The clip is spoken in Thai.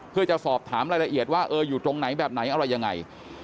เพื่อจะสอบถามรายละเอียดว่าเอออยู่ตรงไหนแบบไหนอะไรยังไง